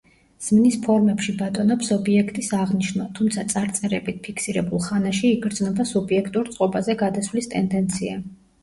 ზმნის ფორმებში ბატონობს ობიექტის აღნიშვნა, თუმცა წარწერებით ფიქსირებულ ხანაში იგრძნობა სუბიექტურ წყობაზე გადასვლის ტენდენცია.